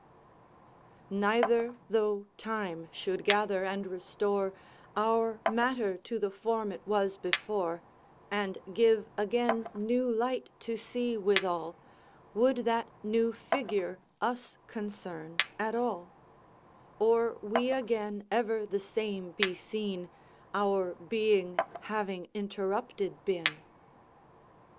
"Neither tho' time should gather and restore Our matter to the form it was before, And give again new light to see withal, Would that new figure us concern at all; Or we again ever the same be seen, Our being having interrupted been."